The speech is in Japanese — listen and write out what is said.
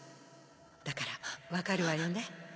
だから分かるわよね？